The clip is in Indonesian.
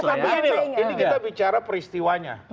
ini kita bicara peristiwanya